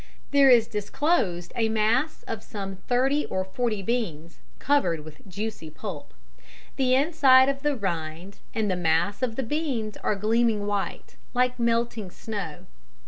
There is disclosed a mass of some thirty or forty beans, covered with juicy pulp. The inside of the rind and the mass of beans are gleaming white, like melting snow.